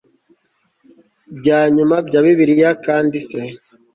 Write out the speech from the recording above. bya nyuma bya bibiliya kandi se